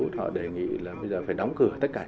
thí dụ như là anh em hồi giáo của ai cập